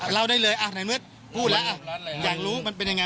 เล่าได้เลยในเมื่อพูดแล้วอยากรู้มันเป็นยังไง